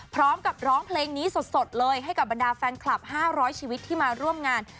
พร้อมกับร้องเพลงนี้สดเลยให้กับบรรดาแฟนคลับ๕๐๐ชีวิตที่มาร่วมงาน